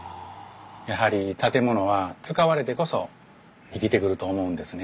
やはり建物は使われてこそ生きてくると思うんですね。